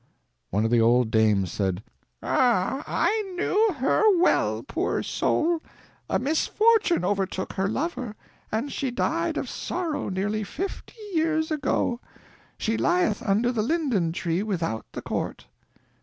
One of the old dames said: "Ah, I knew her well, poor soul. A misfortune overtook her lover, and she died of sorrow nearly fifty years ago. She lieth under the linden tree without the court."